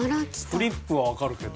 フリップはわかるけど。